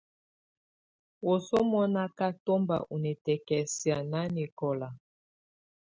Wǝ́suǝ́ munà á ká tɔmba u nikǝ́kǝ́siǝ̀ nanɛkɔla.